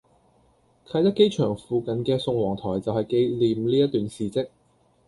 啟德機場附近嘅宋王臺就係紀念呢一段事跡